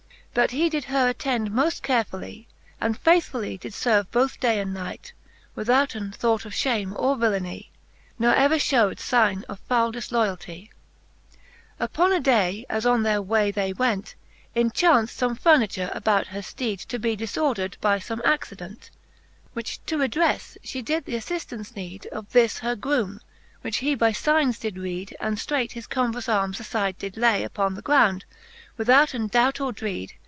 But he did her attend moft carefully, And faithfully did ferve both day and night, Withouten thought of fhame or villeny, Nor ever fhewed figne of foule difloyalty* X. Upon a day as on their way they went. It chaunft fome furniture about her fteed To be difordred by fome accident ; Which to redre/Te, fhe did th'afTiftance need Of this her groome, which he by lignes did reede^ And ftreight his combrous armes afide did lay Upon the ground, withouten doubt or dreed.